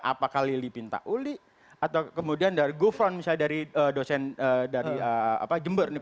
apakah lili pintauli atau kemudian dari gufron misalnya dari dosen dari jember